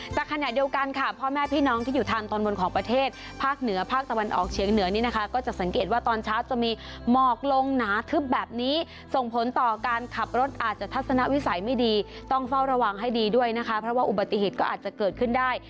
แต่ขณะเดียวกันค่ะพ่อแม่พี่น้องที่อยู่ทางตอนบนของประเทศภาคเหนือภาคตะวันออกเฉียงเหนือนี่นะคะก็จะสังเกตว่าตอนเช้าจะมีหมอกลงหนาทึบแบบนี้ส่งผลต่อการขับรถอาจจะทัศนวิสัยไม่ดีต้องเฝ้าระวังให้ดีด้วยนะคะเพราะว่าอุบัติเหตุก็อาจจะเกิดขึ้นได้